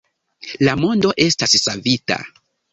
La mondo estas savita